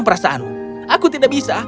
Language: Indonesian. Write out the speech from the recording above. bahwa aku tidak bisa